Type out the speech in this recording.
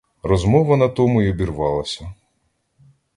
Розмова на тому й обірвалася.